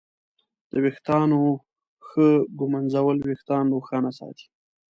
د ویښتانو ښه ږمنځول وېښتان روښانه ساتي.